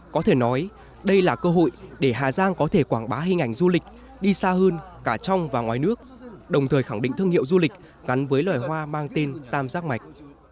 có thể nói đây là cơ hội để hà giang có thể quảng bá hình ảnh du lịch đi xa hơn cả trong và ngoài nước đồng thời khẳng định thương hiệu du lịch gắn với loài hoa mang tên tam giác mạch